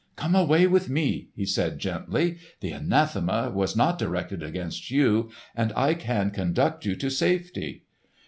"Come away with me!" he said gently. "The anathema was not directed against you, and I can conduct you to safety."